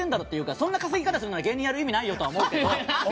そんな稼ぎ方するなら芸人やる意味ないと思うんですが。